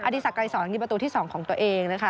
ดีสักรายสอนยิงประตูที่๒ของตัวเองนะคะ